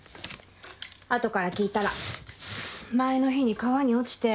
後から聞いたら前の日に川に落ちて。